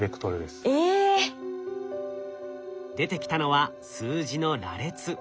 出てきたのは数字の羅列。